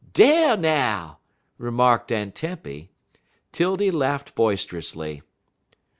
"Dar now!" remarked Aunt Tempy. 'Tildy laughed boisterously.